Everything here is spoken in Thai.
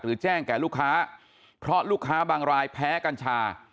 แจ้งแก่ลูกค้าเพราะลูกค้าบางรายแพ้กัญชา